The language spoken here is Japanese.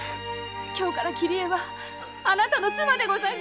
今日から桐江はあなたの妻でございます！